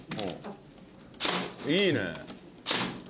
いいねえ。